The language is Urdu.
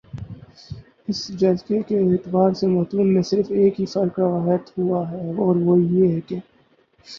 اس جز کے اعتبار سے متون میں صرف ایک ہی فرق روایت ہوا ہے اور وہ یہ ہے کہ